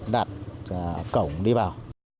đặt cổng đi vào